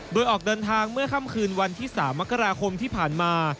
โดยออกเดินทางเมื่อค่ำคืนวันที่๓มกราคมที่ผ่านมา